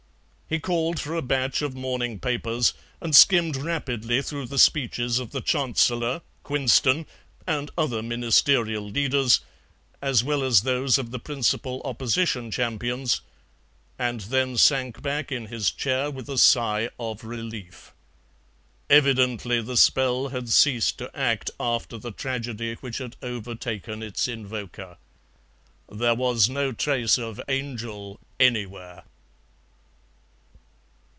He called for a batch of morning papers and skimmed rapidly through the speeches of the Chancellor, Quinston, and other Ministerial leaders, as well as those of the principal Opposition champions, and then sank back in his chair with a sigh of relief. Evidently the spell had ceased to act after the tragedy which had overtaken its invoker. There was no trace of angel anywhere.